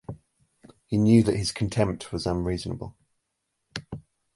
He knew that his contempt was unreasonable.